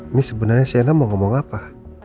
ini sebenarnya shena mau ngomong apa